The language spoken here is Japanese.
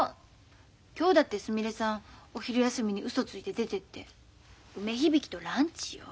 今日だってすみれさんお昼休みにうそついて出てって梅響とランチよ。